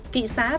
thị xá ban ngọc